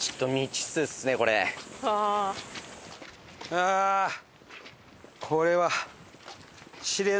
ああこれは。